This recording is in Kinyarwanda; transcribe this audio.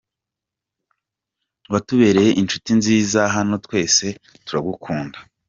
Watubereye inshuti nziza, hano twese turagukunda”.